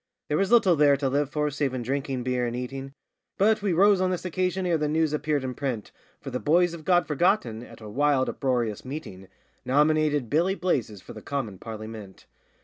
There was little there to live for save in drinking beer and eating; But we rose on this occasion ere the news appeared in print, For the boys of God Forgotten, at a wild, uproarious meeting, Nominated Billy Blazes for the commin Parlymint.